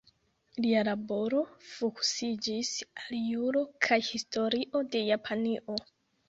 Lia laboro fokusiĝis al juro kaj historio de Japanio.